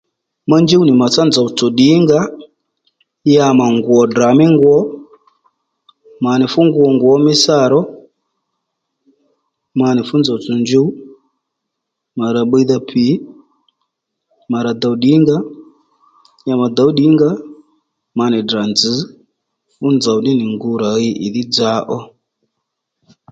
Ma njúw nì mà tsá nzòw tsò ddìnga ó ya mà ngwò Ddra mí ngwo mà nì fú ngwo ngwǒ mí sâ ró manì fú nzòw tsò njuw màrà bbiydha piy mà rà dòw ddìnga-ó ya mà dòw ddìnga-ó mà nì Ddrà nzǐ fú nzòw ddí nì ngu rà hiy ì dhí dza ó